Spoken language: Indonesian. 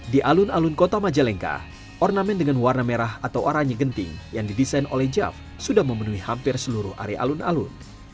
di alun alun kota majalengka ornamen dengan warna merah atau oranye genting yang didesain oleh jav sudah memenuhi hampir seluruh area alun alun